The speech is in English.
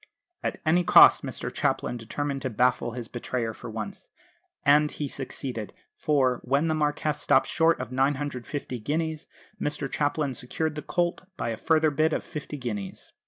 At any cost Mr Chaplin determined to baffle his betrayer for once and he succeeded; for, when the Marquess stopped short at 950 guineas, Mr Chaplin secured the colt by a further bid of 50 guineas.